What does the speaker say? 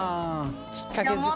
きっかけ作りね。